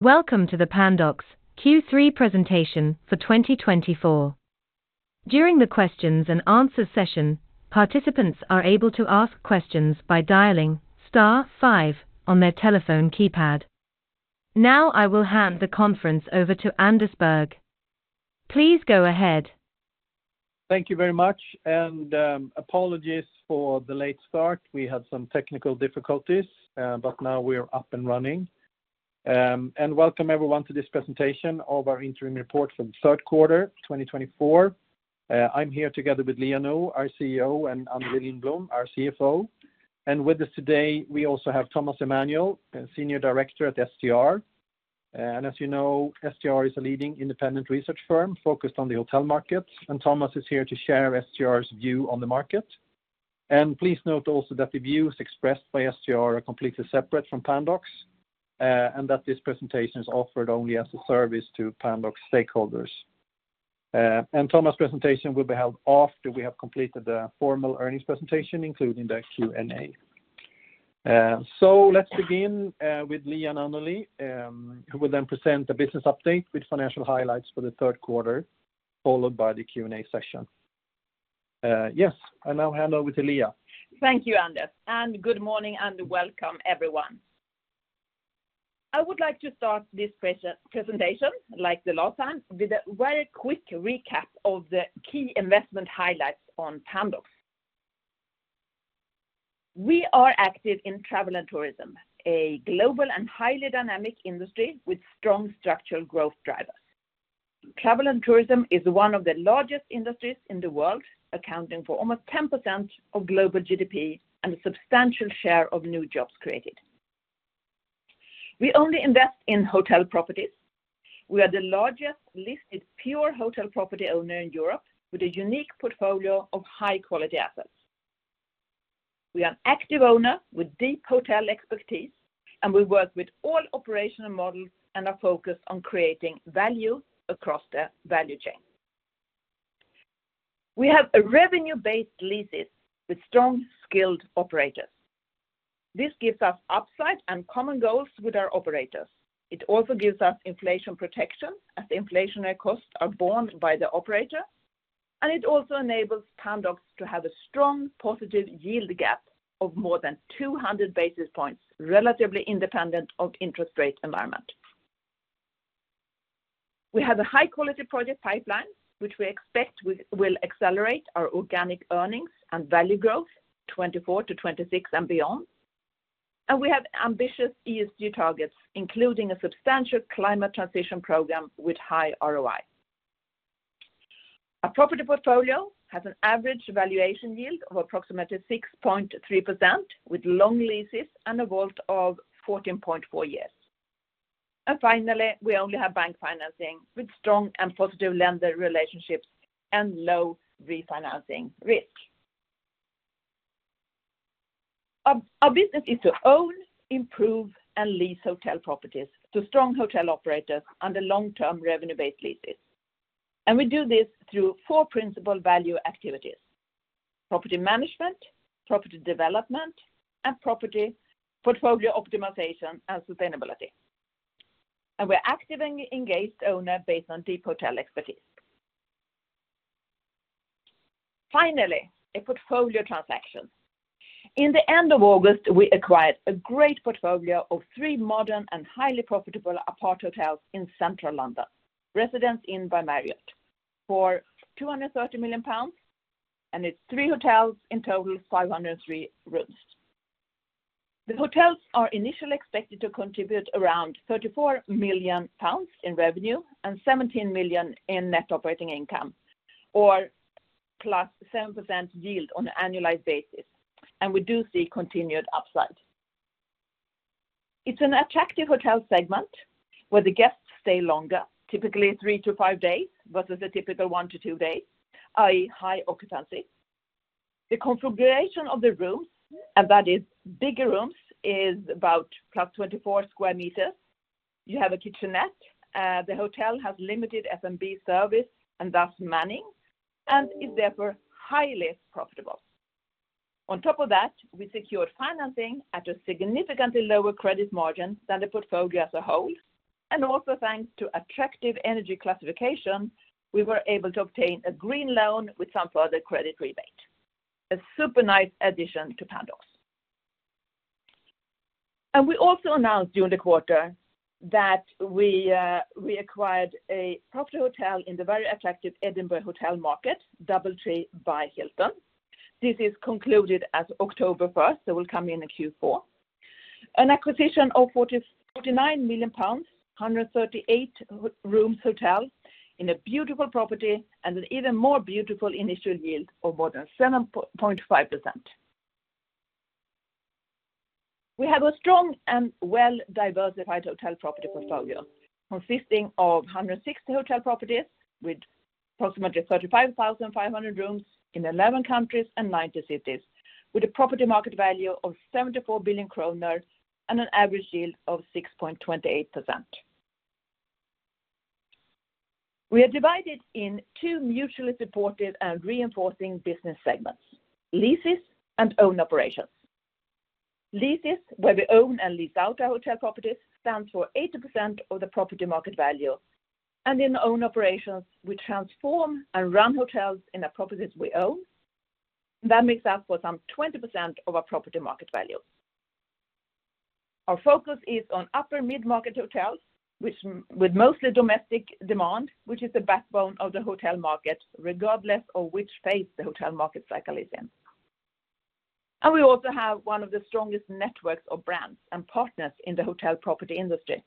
Welcome to the Pandox Q3 presentation for 2024. During the questions and answers session, participants are able to ask questions by dialing star five on their telephone keypad. Now, I will hand the conference over to Anders Berg. Please go ahead. Thank you very much, and apologies for the late start. We had some technical difficulties, but now we are up and running. And welcome everyone to this presentation of our interim report for the third quarter, twenty twenty-four. I'm here together with Liia Nõu, our CEO, and Anneli Lindblom, our CFO. And with us today, we also have Thomas Emanuel, Senior Director at STR. And as you know, STR is a leading independent research firm focused on the hotel market, and Thomas is here to share STR's view on the market. And please note also that the views expressed by STR are completely separate from Pandox, and that this presentation is offered only as a service to Pandox stakeholders. And Thomas' presentation will be held after we have completed the formal earnings presentation, including the Q&A. So let's begin with Liia and Anneli, who will then present the business update with financial highlights for the third quarter, followed by the Q&A session. I now hand over to Liia. Thank you, Anders, and good morning, and welcome everyone. I would like to start this presentation, like the last time, with a very quick recap of the key investment highlights on Pandox. We are active in travel and tourism, a global and highly dynamic industry with strong structural growth drivers. Travel and tourism is one of the largest industries in the world, accounting for almost 10% of global GDP and a substantial share of new jobs created. We only invest in hotel properties. We are the largest listed pure hotel property owner in Europe, with a unique portfolio of high-quality assets. We are an active owner with deep hotel expertise, and we work with all operational models and are focused on creating value across the value chain. We have a revenue-based leases with strong, skilled operators. This gives us upside and common goals with our operators. It also gives us inflation protection, as inflationary costs are borne by the operator, and it also enables Pandox to have a strong positive yield gap of more than 200 basis points, relatively independent of interest rate environment. We have a high-quality project pipeline, which we expect will accelerate our organic earnings and value growth 2024-2026 and beyond. And we have ambitious ESG targets, including a substantial climate transition program with high ROI. Our property portfolio has an average valuation yield of approximately 6.3%, with long leases and a WALT of 14.4 years. And finally, we only have bank financing with strong and positive lender relationships and low refinancing risk. Our business is to own, improve, and lease hotel properties to strong hotel operators under long-term revenue-based leases. We do this through four principal value activities: property management, property development, and property portfolio optimization and sustainability. We're actively engaged owner based on deep hotel expertise. Finally, a portfolio transaction. At the end of August, we acquired a great portfolio of three modern and highly profitable aparthotels in central London, Residence Inn by Marriott, for 230 million pounds, and it's three hotels, in total, 503 rooms. The hotels are initially expected to contribute around 34 million pounds in revenue and 17 million in net operating income, or +7% yield on an annualized basis, and we do see continued upside. It's an attractive hotel segment where the guests stay longer, typically three to five days, versus a typical one to two days, i.e., high occupancy. The configuration of the rooms, and that is bigger rooms, is about +24 sqm. You have a kitchenette. The hotel has limited F&B service, and thus manning, and is therefore highly profitable. On top of that, we secured financing at a significantly lower credit margin than the portfolio as a whole, and also thanks to attractive energy classification, we were able to obtain a green loan with some further credit rebate. A super nice addition to Pandox, and we also announced during the quarter that we, we acquired a property hotel in the very attractive Edinburgh hotel market, DoubleTree by Hilton. This is concluded as October first, so will come in at Q4. An acquisition of GBP 49 million, 138-room hotel in a beautiful property and an even more beautiful initial yield of more than 7.5%. We have a strong and well-diversified hotel property portfolio, consisting of 160 hotel properties, with approximately 35,500 rooms in 11 countries and 90 cities, with a property market value of 74 billion kronor and an average yield of 6.28%.... We are divided in two mutually supportive and reinforcing business segments: leases and own operations. Leases, where we own and lease out our hotel properties, stands for 80% of the property market value. And in own operations, we transform and run hotels in the properties we own. That makes up for some 20% of our property market value. Our focus is on upper-mid-market hotels, which, with mostly domestic demand, which is the backbone of the hotel market, regardless of which phase the hotel market cycle is in. And we also have one of the strongest networks of brands and partners in the hotel property industry.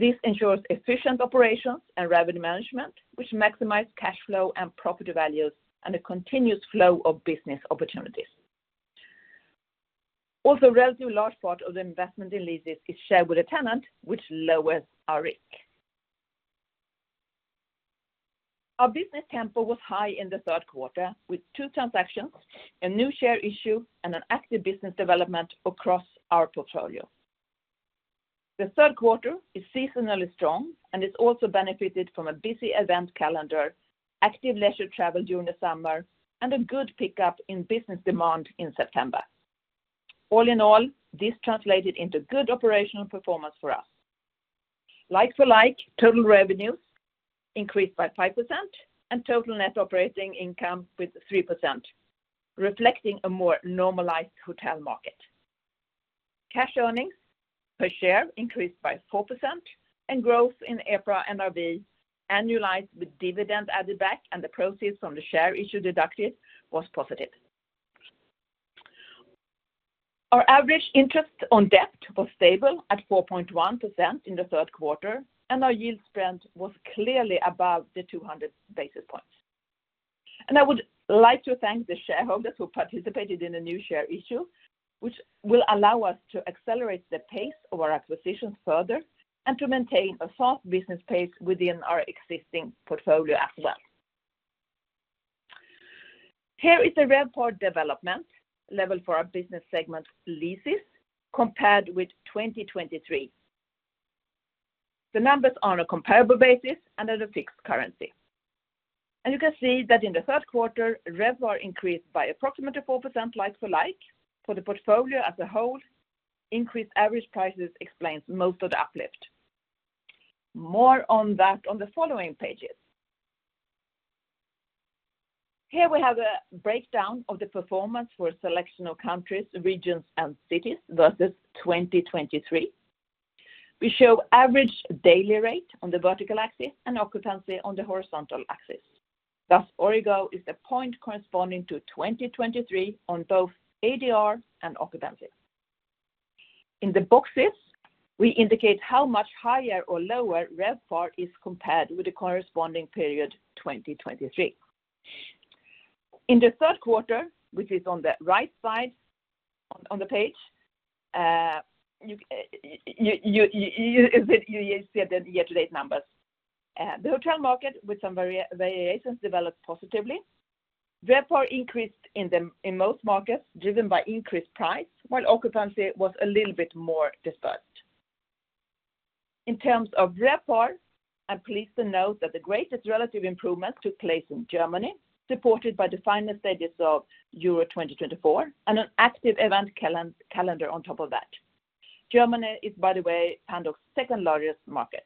This ensures efficient operations and revenue management, which maximize cash flow and property values, and a continuous flow of business opportunities. Also, a relatively large part of the investment in leases is shared with a tenant, which lowers our risk. Our business tempo was high in the third quarter, with two transactions, a new share issue, and an active business development across our portfolio. The third quarter is seasonally strong and is also benefited from a busy event calendar, active leisure travel during the summer, and a good pickup in business demand in September. All in all, this translated into good operational performance for us. Like for like, total revenues increased by 5% and total net operating income with 3%, reflecting a more normalized hotel market. Cash earnings per share increased by 4%, and growth in EPRA NRV, annualized with dividend added back, and the proceeds from the share issue deducted, was positive. Our average interest on debt was stable at 4.1% in the third quarter, and our yield spread was clearly above the 200 basis points. I would like to thank the shareholders who participated in the new share issue, which will allow us to accelerate the pace of our acquisitions further and to maintain a strong business pace within our existing portfolio as well. Here is a RevPAR development level for our business segment leases compared with 2023. The numbers are on a comparable basis and at a fixed currency. You can see that in the third quarter, RevPAR increased by approximately 4%, like for like. For the portfolio as a whole, increased average prices explains most of the uplift. More on that on the following pages. Here we have a breakdown of the performance for a selection of countries, regions, and cities versus 2023. We show average daily rate on the vertical axis and occupancy on the horizontal axis. Thus, origin is the point corresponding to 2023 on both ADR and occupancy. In the boxes, we indicate how much higher or lower RevPAR is compared with the corresponding period, 2023. In the third quarter, which is on the right side on the page, you see the year-to-date numbers. The hotel market, with some variations, developed positively. RevPAR increased in most markets, driven by increased price, while occupancy was a little bit more dispersed. In terms of RevPAR, I'm pleased to note that the greatest relative improvements took place in Germany, supported by the final stages of Euro 2024 and an active event calendar on top of that. Germany is, by the way, Pandox's second-largest market.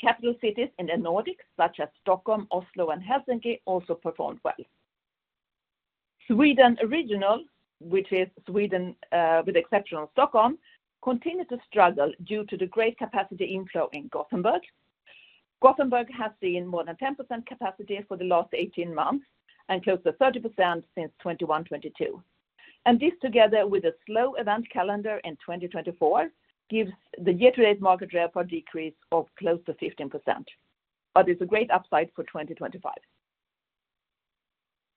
Capital cities in the Nordics, such as Stockholm, Oslo, and Helsinki, also performed well. Sweden regional, which is Sweden with exception of Stockholm, continued to struggle due to the great capacity inflow in Gothenburg. Gothenburg has seen more than 10% capacity for the last 18 months and close to 30% since twenty-one, twenty-two. This, together with a slow event calendar in twenty twenty-four, gives the year-to-date market RevPAR decrease of close to 15%, but there's a great upside for twenty twenty-five.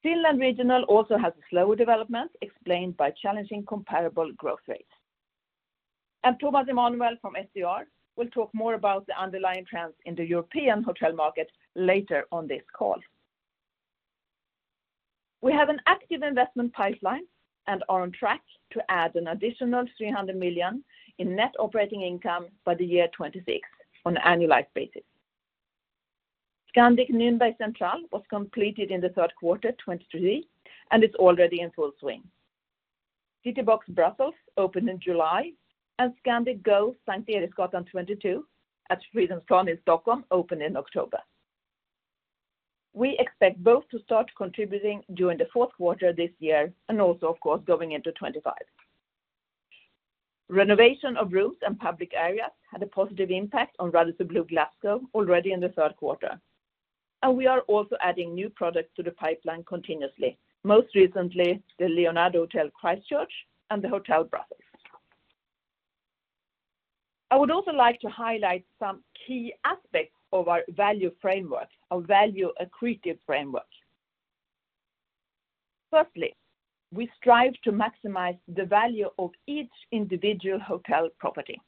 Finland regional also has a slow development explained by challenging comparable growth rates. Thomas Emanuel from STR will talk more about the underlying trends in the European hotel market later on this call. We have an active investment pipeline and are on track to add an additional 300 million in net operating income by the year 2026 on an annualized basis. Scandic Nürnberg Central was completed in the third quarter 2023, and is already in full swing. Citybox Brussels opened in July, and Scandic Go Sankt Eriksgatan 20 at Fridhemsplan in Stockholm opened in October. We expect both to start contributing during the fourth quarter this year and also, of course, going into 2025. Renovation of rooms and public areas had a positive impact on Radisson Blu Glasgow already in the third quarter, and we are also adding new products to the pipeline continuously, most recently, the Leonardo Hotel Christchurch, and The Hotel Brussels. I would also like to highlight some key aspects of our value framework, our value accretive framework. Firstly, we strive to maximize the value of each individual hotel property.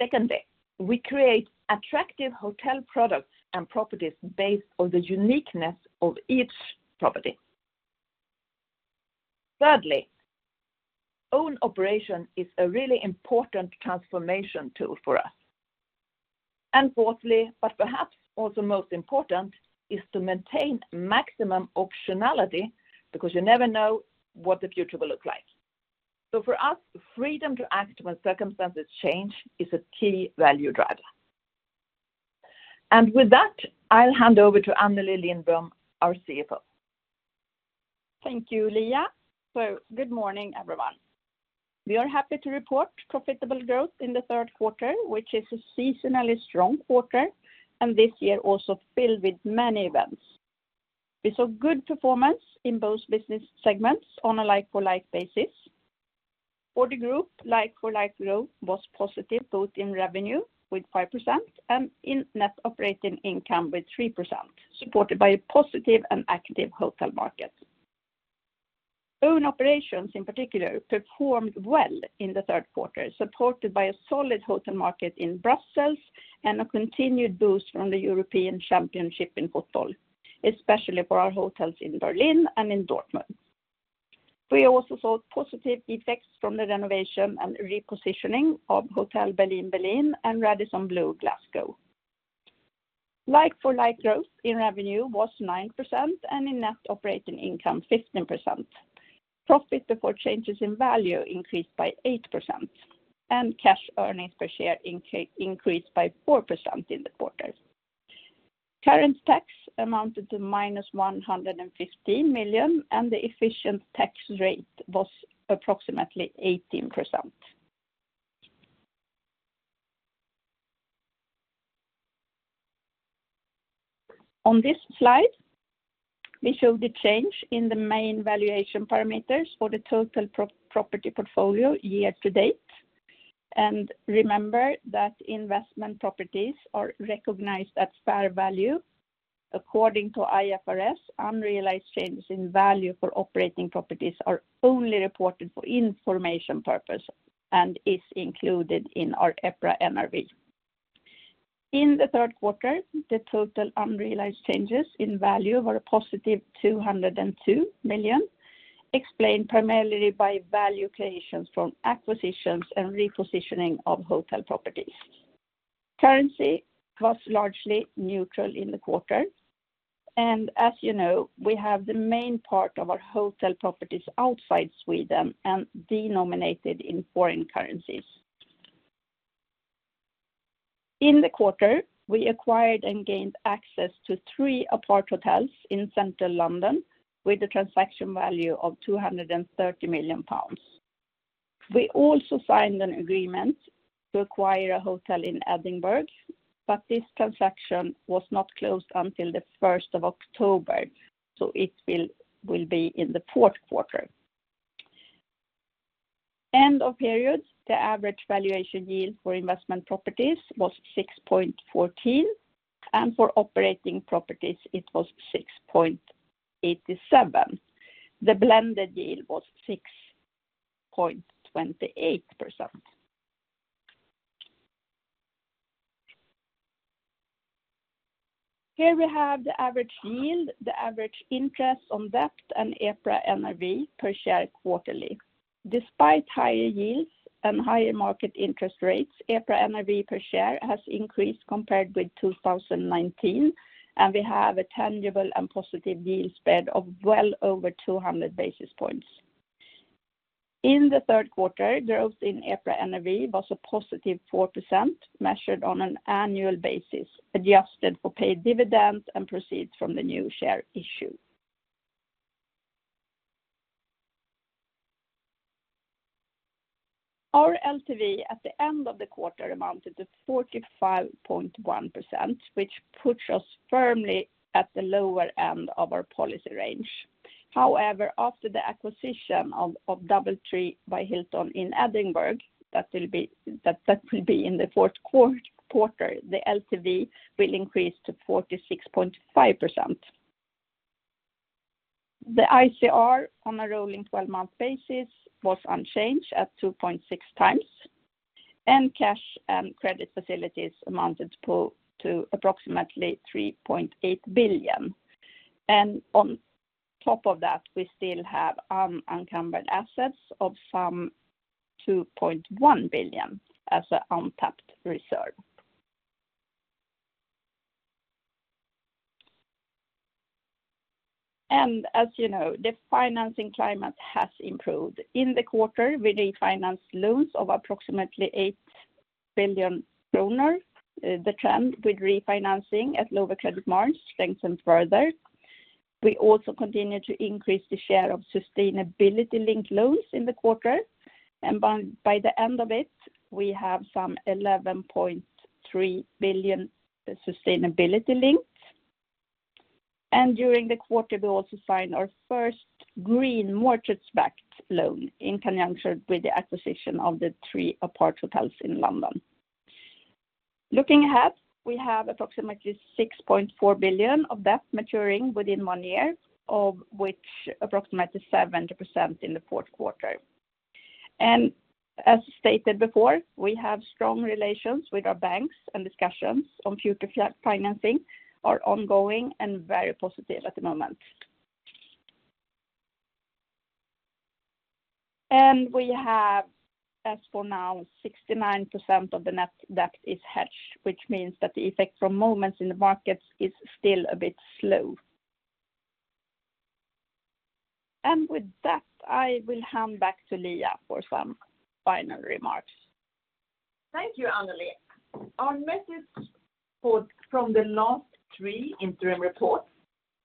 Secondly, we create attractive hotel products and properties based on the uniqueness of each property…. Thirdly, own operation is a really important transformation tool for us. And fourthly, but perhaps also most important, is to maintain maximum optionality, because you never know what the future will look like. So for us, freedom to act when circumstances change is a key value driver. And with that, I'll hand over to Anneli Lindblom, our CFO. Thank you, Liia. So good morning, everyone. We are happy to report profitable growth in the third quarter, which is a seasonally strong quarter, and this year also filled with many events. We saw good performance in both business segments on a like-for-like basis. For the group, like-for-like growth was positive, both in revenue with 5% and in net operating income with 3%, supported by a positive and active hotel market. Own operations, in particular, performed well in the third quarter, supported by a solid hotel market in Brussels and a continued boost from the European Championship in football, especially for our hotels in Berlin and in Dortmund. We also saw positive effects from the renovation and repositioning of Hotel Berlin, Berlin, and Radisson Blu Glasgow. Like-for-like growth in revenue was 9%, and in net operating income, 15%. Profit before changes in value increased by 8%, and cash earnings per share increased by 4% in the quarter. Current tax amounted to -115 million, and the effective tax rate was approximately 18%. On this slide, we show the change in the main valuation parameters for the total property portfolio year to date. Remember that investment properties are recognized at fair value. According to IFRS, unrealized changes in value for operating properties are only reported for information purpose and is included in our EPRA NRV. In the third quarter, the total unrealized changes in value were a positive 202 million, explained primarily by valuations from acquisitions and repositioning of hotel properties. Currency was largely neutral in the quarter, and as you know, we have the main part of our hotel properties outside Sweden and denominated in foreign currencies. In the quarter, we acquired and gained access to three aparthotels in central London, with a transaction value of 230 million pounds. We also signed an agreement to acquire a hotel in Edinburgh, but this transaction was not closed until the first of October, so it will be in the fourth quarter. End of period, the average valuation yield for investment properties was 6.14, and for operating properties, it was 6.87. The blended yield was 6.28%. Here we have the average yield, the average interest on debt, and EPRA NRV per share quarterly. Despite higher yields and higher market interest rates, EPRA NRV per share has increased compared with two thousand nineteen, and we have a tangible and positive yield spread of well over two hundred basis points. In the third quarter, growth in EPRA NRV was a positive 4%, measured on an annual basis, adjusted for paid dividends and proceeds from the new share issue. Our LTV at the end of the quarter amounted to 45.1%, which puts us firmly at the lower end of our policy range. However, after the acquisition of DoubleTree by Hilton in Edinburgh, that will be in the fourth quarter, the LTV will increase to 46.5%. The ICR on a rolling twelve-month basis was unchanged at 2.6 times, and cash and credit facilities amounted to approximately 3.8 billion. And on top of that, we still have unencumbered assets of some 2.1 billion as an untapped reserve. And as you know, the financing climate has improved. In the quarter, we refinanced loans of approximately 8 billion kronor. The trend with refinancing at lower credit margins strengthened further. We also continued to increase the share of sustainability-linked loans in the quarter, and by the end of it, we have some 11.3 billion sustainability-linked. And during the quarter, we also signed our first green mortgage-backed loan in conjunction with the acquisition of the three aparthotels in London. Looking ahead, we have approximately 6.4 billion of debt maturing within one year, of which approximately 70% in the fourth quarter.... And as stated before, we have strong relations with our banks, and discussions on future financing are ongoing and very positive at the moment. And we have, as for now, 69% of the net debt is hedged, which means that the effect from movements in the markets is still a bit slow. And with that, I will hand back to Liia for some final remarks. Thank you, Anneli. Our message for, from the last three interim reports,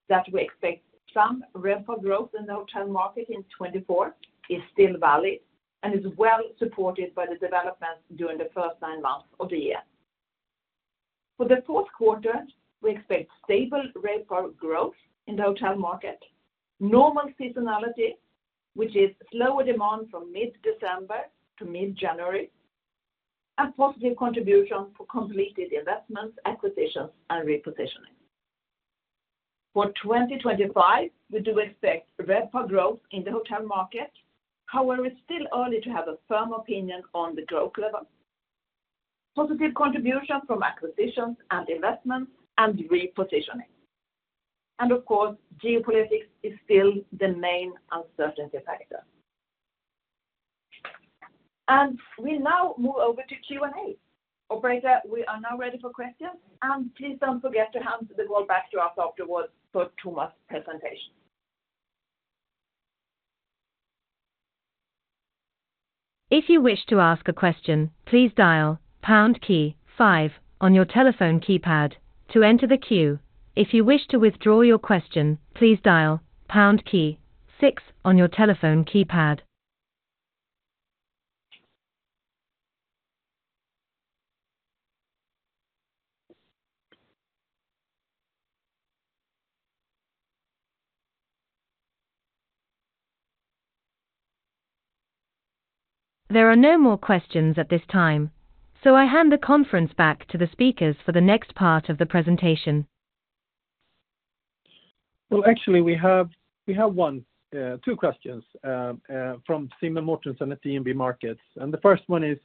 that we expect some RevPAR growth in the hotel market in twenty-four, is still valid, and is well supported by the developments during the first nine months of the year. For the fourth quarter, we expect stable RevPAR growth in the hotel market, normal seasonality, which is lower demand from mid-December to mid-January, and positive contribution for completed investments, acquisitions, and repositioning. For twenty twenty-five, we do expect RevPAR growth in the hotel market. However, it's still early to have a firm opinion on the growth level. Positive contribution from acquisitions and investments, and repositioning. And of course, geopolitics is still the main uncertainty factor. And we now move over to Q&A. Operator, we are now ready for questions, and please don't forget to hand the call back to us afterwards for Thomas' presentation. If you wish to ask a question, please dial pound key five on your telephone keypad to enter the queue. If you wish to withdraw your question, please dial pound key six on your telephone keypad. There are no more questions at this time, so I hand the conference back to the speakers for the next part of the presentation. Actually, we have one, two questions from Simen Mortensen and DNB Markets. The first one is: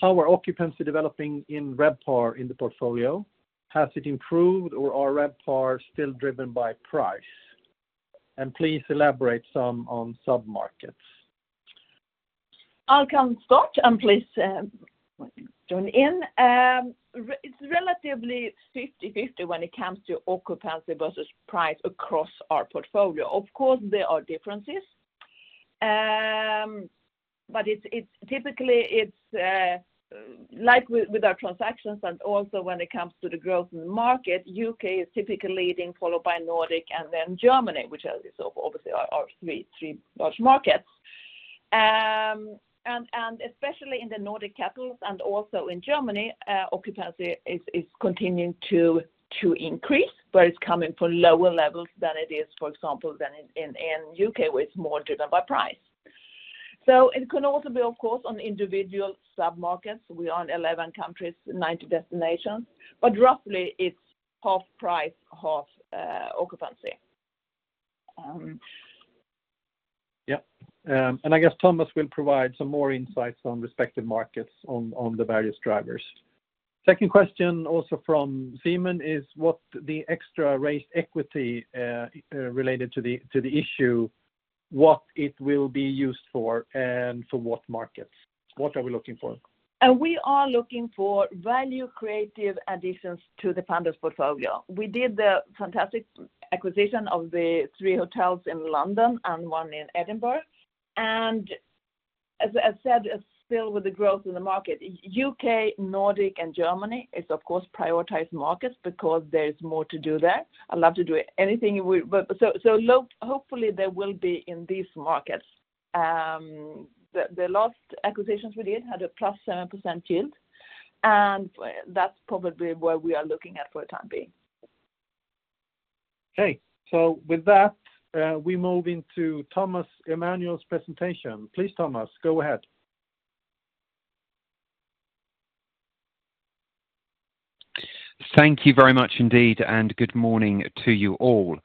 How are occupancy developing in RevPAR in the portfolio? Has it improved, or are RevPAR still driven by price? And please elaborate some on submarkets. I'll just start, and please, join in. It's relatively 50-50 when it comes to occupancy versus price across our portfolio. Of course, there are differences, but it's typically like with our transactions and also when it comes to the growth in the market. UK is typically leading, followed by Nordic and then Germany, which is obviously our three large markets, and especially in the Nordic capitals and also in Germany, occupancy is continuing to increase, but it's coming from lower levels than it is, for example, than in UK, where it's more driven by price. So it can also be, of course, on individual submarkets. We are in 11 countries, 90 destinations, but roughly it's half price, half occupancy. Yeah. And I guess Thomas will provide some more insights on respective markets on the various drivers. Second question, also from Simen, is: What the extra raised equity related to the issue what it will be used for, and for what markets? What are we looking for? We are looking for value-creative additions to the Pandox portfolio. We did the fantastic acquisition of the three hotels in London and one in Edinburgh. As I said, still with the growth in the market, UK, Nordic, and Germany is, of course, prioritized markets because there is more to do there. I'd love to do anything we-- but hopefully, there will be in these markets. The last acquisitions we did had a plus 7% yield, and that's probably where we are looking at for the time being. Okay. So with that, we move into Thomas Emanuel's presentation. Please, Thomas, go ahead. Thank you very much indeed, and good morning to you all.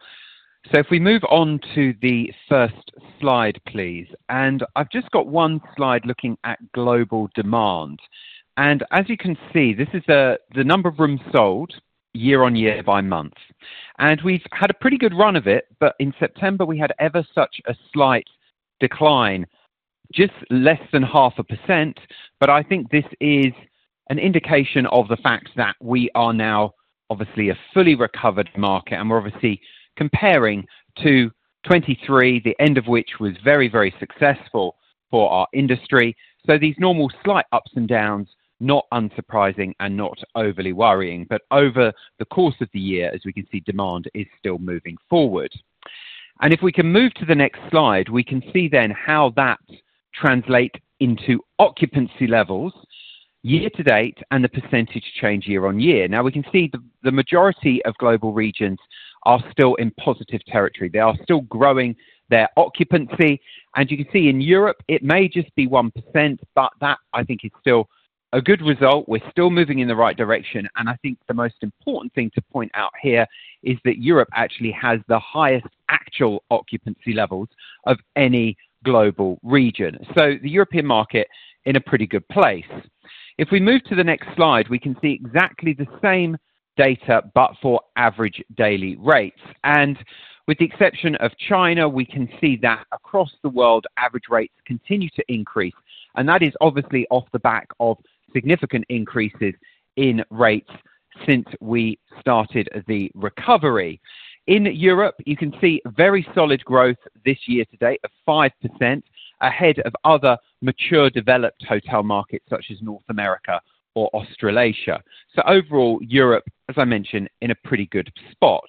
If we move on to the first slide, please. I've just got one slide looking at global demand. As you can see, this is the number of rooms sold year on year by month. We've had a pretty good run of it, but in September, we had ever such a slight decline, just less than 0.5%. I think this is an indication of the fact that we are now obviously a fully recovered market, and we're obviously comparing to 2023, the end of which was very, very successful for our industry. These normal slight ups and downs are not unsurprising and not overly worrying. Over the course of the year, as we can see, demand is still moving forward. If we can move to the next slide, we can see then how that translate into occupancy levels year to date and the percentage change year on year. Now, we can see the majority of global regions are still in positive territory. They are still growing their occupancy. And you can see in Europe, it may just be 1%, but that, I think, is still a good result. We're still moving in the right direction, and I think the most important thing to point out here is that Europe actually has the highest actual occupancy levels of any global region. So the European market in a pretty good place. If we move to the next slide, we can see exactly the same data, but for average daily rates. With the exception of China, we can see that across the world, average rates continue to increase, and that is obviously off the back of significant increases in rates since we started the recovery. In Europe, you can see very solid growth this year to date of 5%, ahead of other mature, developed hotel markets such as North America or Australasia. Overall, Europe, as I mentioned, in a pretty good spot.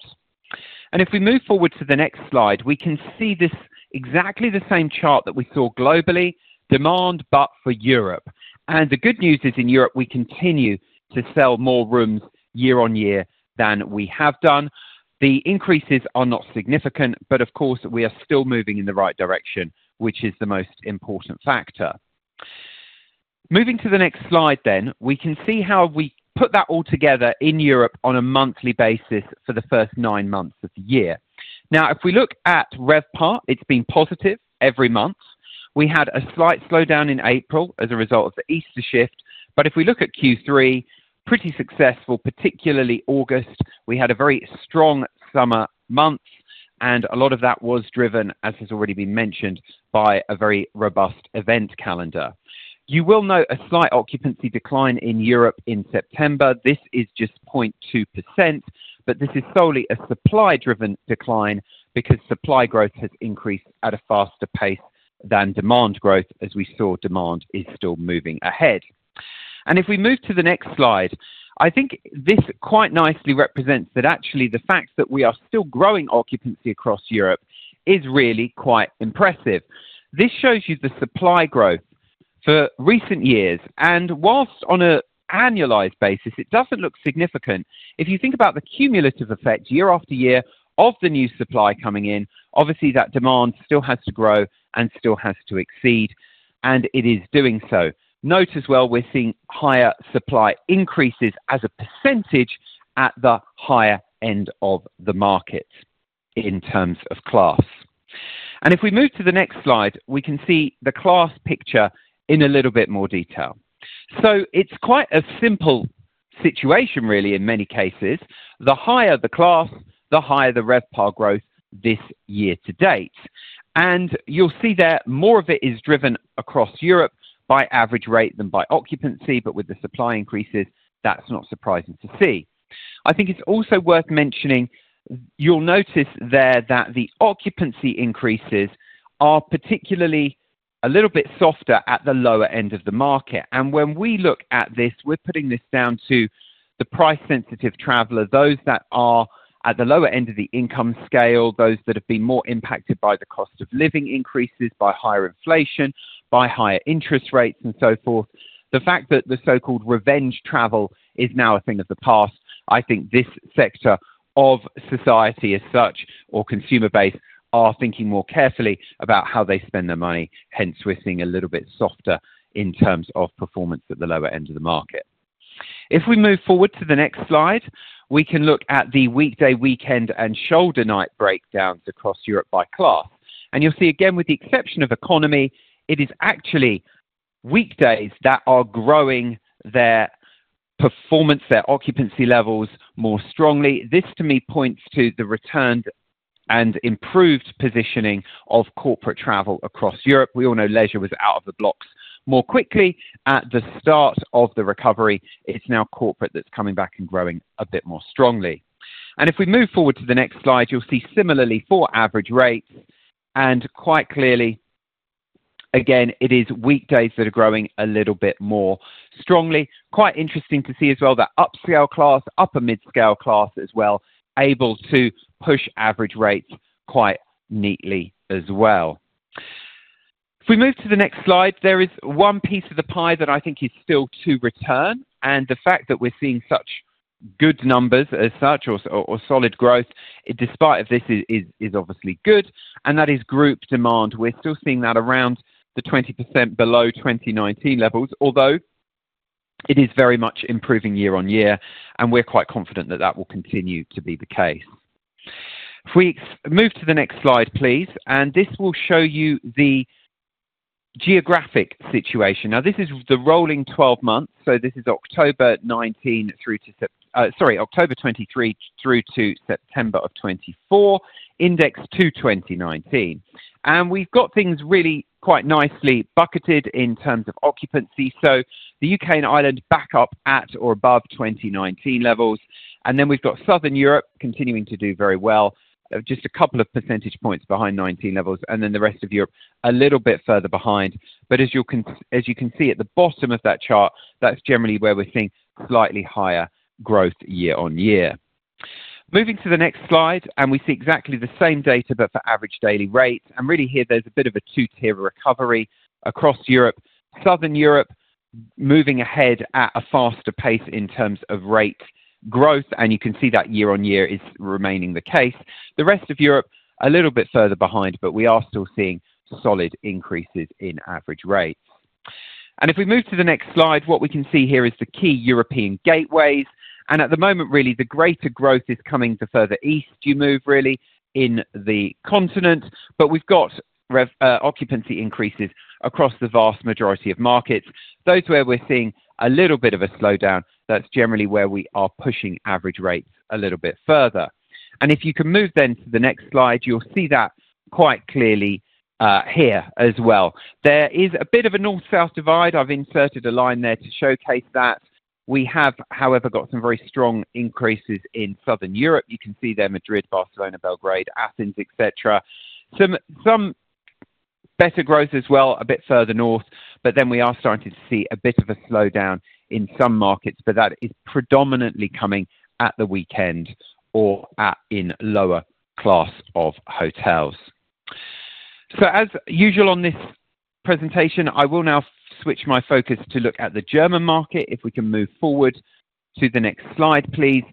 If we move forward to the next slide, we can see this exactly the same chart that we saw globally: demand, but for Europe. The good news is, in Europe, we continue to sell more rooms year on year than we have done. The increases are not significant, but of course, we are still moving in the right direction, which is the most important factor. Moving to the next slide then, we can see how we put that all together in Europe on a monthly basis for the first nine months of the year. Now, if we look at RevPAR, it's been positive every month. We had a slight slowdown in April as a result of the Easter shift, but if we look at Q3, pretty successful, particularly August. We had a very strong summer month, and a lot of that was driven, as has already been mentioned, by a very robust event calendar. You will note a slight occupancy decline in Europe in September. This is just 0.2%, but this is solely a supply-driven decline because supply growth has increased at a faster pace than demand growth, as we saw demand is still moving ahead. If we move to the next slide, I think this quite nicely represents that actually, the fact that we are still growing occupancy across Europe is really quite impressive. This shows you the supply growth for recent years, and while on an annualized basis, it doesn't look significant. If you think about the cumulative effect year after year of the new supply coming in, obviously that demand still has to grow and still has to exceed, and it is doing so. Note as well, we're seeing higher supply increases as a percentage at the higher end of the market in terms of class. If we move to the next slide, we can see the class picture in a little bit more detail. It's quite a simple situation, really in many cases. The higher the class, the higher the RevPAR growth this year to date. You'll see there, more of it is driven across Europe by average rate than by occupancy, but with the supply increases, that's not surprising to see. I think it's also worth mentioning. You'll notice there that the occupancy increases are particularly a little bit softer at the lower end of the market. When we look at this, we're putting this down to the price-sensitive traveler, those that are at the lower end of the income scale, those that have been more impacted by the cost of living increases, by higher inflation, by higher interest rates, and so forth. The fact that the so-called revenge travel is now a thing of the past. I think this sector of society as such or consumer base are thinking more carefully about how they spend their money. Hence, we're seeing a little bit softer in terms of performance at the lower end of the market. If we move forward to the next slide, we can look at the weekday, weekend, and shoulder night breakdowns across Europe by class, and you'll see again, with the exception of economy, it is actually weekdays that are growing their performance, their occupancy levels, more strongly. This, to me, points to the returned and improved positioning of corporate travel across Europe. We all know leisure was out of the blocks more quickly at the start of the recovery. It's now corporate that's coming back and growing a bit more strongly, and if we move forward to the next slide, you'll see similarly for average rates, and quite clearly, again, it is weekdays that are growing a little bit more strongly. Quite interesting to see as well, that upscale class, upper mid-scale class as well, able to push average rates quite neatly as well. If we move to the next slide, there is one piece of the pie that I think is still to return, and the fact that we're seeing such good numbers as such or solid growth, despite of this is obviously good, and that is group demand. We're still seeing that around the 20% below 2019 levels, although it is very much improving year on year, and we're quite confident that that will continue to be the case. If we move to the next slide, please, and this will show you the geographic situation. Now, this is the rolling 12 months, so this is October 2023 through to September of 2024, index to 2019. We've got things really quite nicely bucketed in terms of occupancy. The UK and Ireland back up at or above 2019 levels. We've got Southern Europe continuing to do very well, just a couple of percentage points behind 2019 levels, and then the rest of Europe a little bit further behind. As you can see at the bottom of that chart, that's generally where we're seeing slightly higher growth year on year. Moving to the next slide, we see exactly the same data, but for average daily rates. Really here, there's a bit of a two-tier recovery across Europe. Southern Europe, moving ahead at a faster pace in terms of rate growth, and you can see that year on year is remaining the case. The rest of Europe, a little bit further behind, but we are still seeing solid increases in average rates.... And if we move to the next slide, what we can see here is the key European gateways. And at the moment, really, the greater growth is coming the further east you move, really, in the continent. But we've got RevPAR, occupancy increases across the vast majority of markets. Those where we're seeing a little bit of a slowdown, that's generally where we are pushing average rates a little bit further. And if you can move then to the next slide, you'll see that quite clearly, here as well. There is a bit of a North-South divide. I've inserted a line there to showcase that. We have, however, got some very strong increases in Southern Europe. You can see there Madrid, Barcelona, Belgrade, Athens, et cetera. Some better growth as well, a bit further north, but then we are starting to see a bit of a slowdown in some markets, but that is predominantly coming at the weekend or in lower class of hotels. As usual on this presentation, I will now switch my focus to look at the German market. If we can move forward to the next slide, please.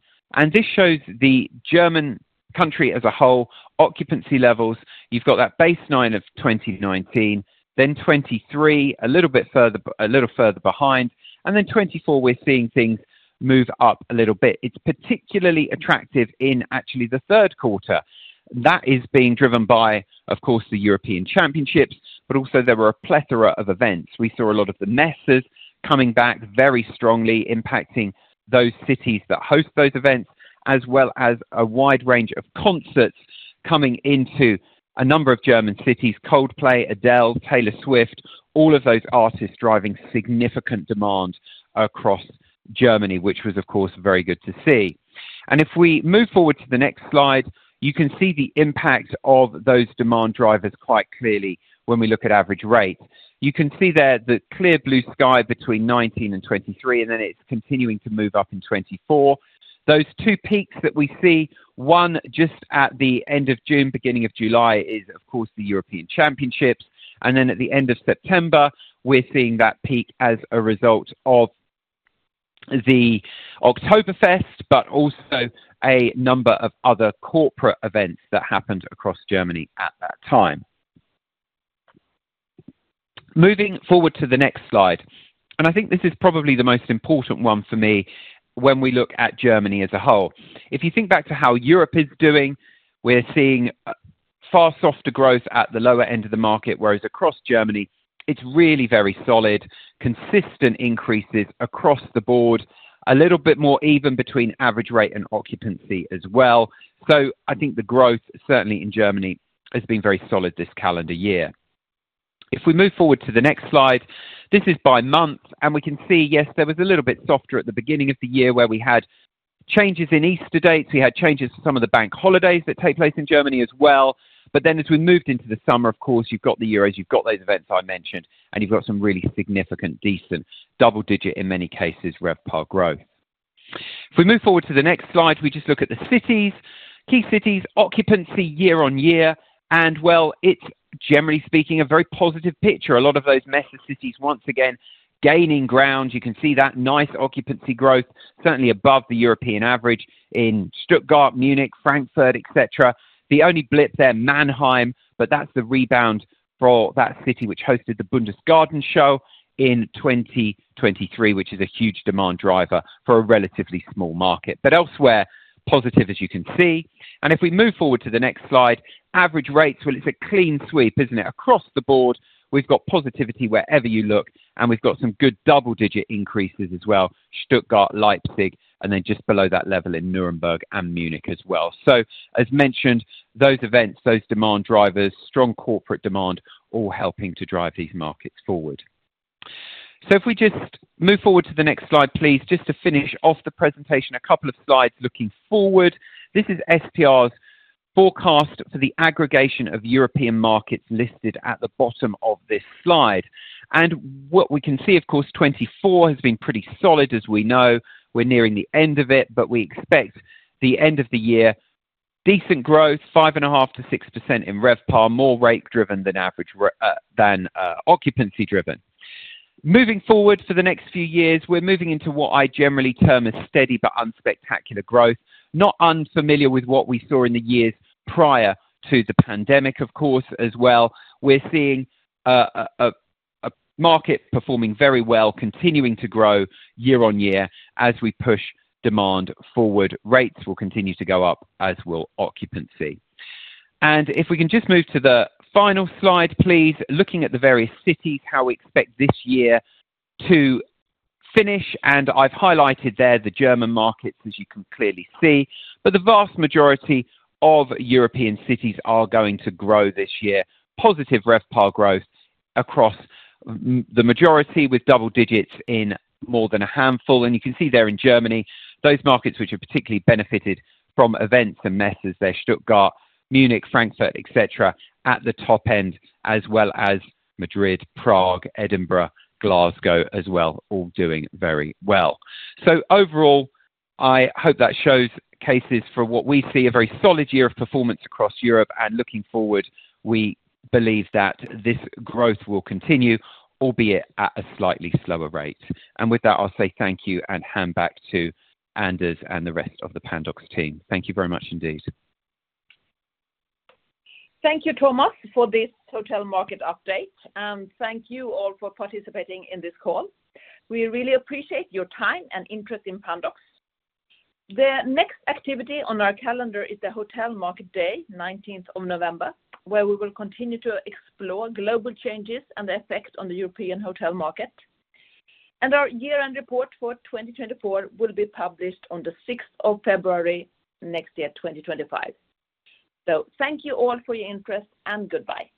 This shows the German country as a whole, occupancy levels. You've got that baseline of 2019, then 2023, a little bit further, a little further behind, and then 2024, we're seeing things move up a little bit. It's particularly attractive in actually the third quarter. That is being driven by, of course, the European Championships, but also there were a plethora of events. We saw a lot of the Messes coming back very strongly, impacting those cities that host those events, as well as a wide range of concerts coming into a number of German cities, Coldplay, Adele, Taylor Swift, all of those artists driving significant demand across Germany, which was, of course, very good to see. If we move forward to the next slide, you can see the impact of those demand drivers quite clearly when we look at average rates. You can see there the clear blue sky between nineteen and twenty-three, and then it's continuing to move up in twenty-four. Those two peaks that we see, one just at the end of June, beginning of July, is of course, the European Championships. Then at the end of September, we're seeing that peak as a result of the Oktoberfest, but also a number of other corporate events that happened across Germany at that time. Moving forward to the next slide, and I think this is probably the most important one for me when we look at Germany as a whole. If you think back to how Europe is doing, we're seeing far softer growth at the lower end of the market, whereas across Germany, it's really very solid, consistent increases across the board, a little bit more even between average rate and occupancy as well. I think the growth, certainly in Germany, has been very solid this calendar year. If we move forward to the next slide, this is by month, and we can see, yes, there was a little bit softer at the beginning of the year where we had changes in Easter dates. We had changes to some of the bank holidays that take place in Germany as well. But then as we moved into the summer, of course, you've got the Euros, you've got those events I mentioned, and you've got some really significant, decent double digit in many cases, RevPAR growth. If we move forward to the next slide, we just look at the cities, key cities, occupancy year on year, and well, it's generally speaking, a very positive picture. A lot of those Messe cities, once again, gaining ground. You can see that nice occupancy growth, certainly above the European average in Stuttgart, Munich, Frankfurt, et cetera. The only blip there, Mannheim, but that's the rebound for that city, which hosted the Bundesgartenschau in 2023, which is a huge demand driver for a relatively small market. But elsewhere positive, as you can see, and if we move forward to the next slide, average rates. Well, it's a clean sweep, isn't it? Across the board, we've got positivity wherever you look, and we've got some good double-digit increases as well: Stuttgart, Leipzig, and then just below that level in Nuremberg and Munich as well. So as mentioned, those events, those demand drivers, strong corporate demand, all helping to drive these markets forward. If we just move forward to the next slide, please, just to finish off the presentation, a couple of slides looking forward. This is STR's forecast for the aggregation of European markets listed at the bottom of this slide. What we can see, of course, 2024 has been pretty solid, as we know. We're nearing the end of it, but we expect the end of the year, decent growth, 5.5%-6% in RevPAR, more rate driven than occupancy-driven. Moving forward to the next few years, we're moving into what I generally term as steady but unspectacular growth, not unfamiliar with what we saw in the years prior to the pandemic, of course, as well. We're seeing a market performing very well, continuing to grow year on year as we push demand forward. Rates will continue to go up, as will occupancy. If we can just move to the final slide, please. Looking at the various cities, how we expect this year to finish, and I've highlighted there the German markets, as you can clearly see, but the vast majority of European cities are going to grow this year. Positive RevPAR growth across the majority with double digits in more than a handful, and you can see there in Germany, those markets which are particularly benefited from events and Messe there, Stuttgart, Munich, Frankfurt, et cetera, at the top end, as well as Madrid, Prague, Edinburgh, Glasgow as well, all doing very well, so overall, I hope that shows the case for what we see, a very solid year of performance across Europe, and looking forward, we believe that this growth will continue, albeit at a slightly slower rate, and with that, I'll say thank you and hand back to Anders and the rest of the Pandox team. Thank you very much indeed. Thank you, Thomas, for this hotel market update, and thank you all for participating in this call. We really appreciate your time and interest in Pandox. The next activity on our calendar is the Hotel Market Day, nineteenth of November, where we will continue to explore global changes and the effect on the European hotel market, and our year-end report for twenty twenty-four will be published on the sixth of February next year, twenty twenty-five. Thank you all for your interest, and goodbye.